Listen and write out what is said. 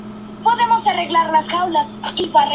Tiene un ritmo lento.